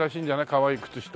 かわいい靴下。